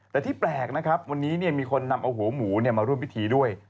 แต่ที่แปลกนะครับวันนี้มีคนนำเอาหัวหมูมาร่วมพิธีด้วย